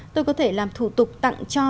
tôi có thể làm thủ tục tặng cho